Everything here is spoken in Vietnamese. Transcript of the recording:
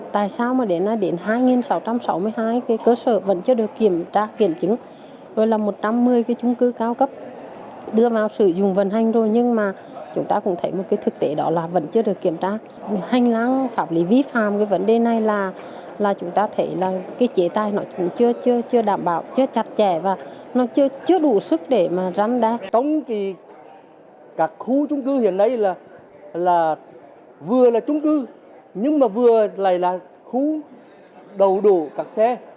trong kỳ các khu trung cư hiện nay là vừa là trung cư nhưng mà vừa lại là khu đầu đổ các xe